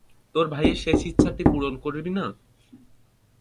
তোর ভাইয়ের শেষ ইচ্ছাটি পূরন করবি না।